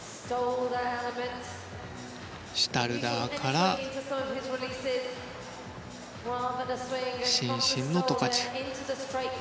シュタルダーから伸身のトカチェフ。